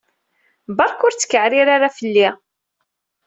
Berka ur ttkeɛrir ara fell-i.